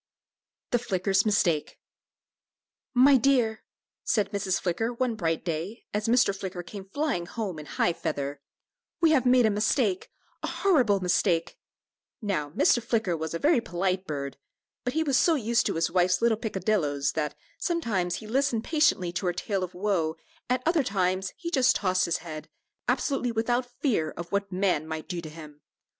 THE FLICKER'S MISTAKE. "My dear," said Mrs. Flicker, one bright day, as Mr. Flicker came flying home in high feather, "we have made a mistake a horrible mistake." Now, Mr. Flicker was a very polite bird, but he was so used to his wife's little peccadilloes that, though sometimes he listened patiently to her tale of woe, at other times he just tossed his head, absolutely without fear of what man might do to him.